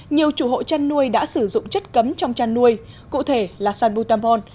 nhiều chủ hộ chăn nuôi đã sử dụng chất cấm trong chăn nuôi cụ thể là sanbutamon